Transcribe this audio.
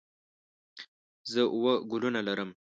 زه اووه ګلونه لرم.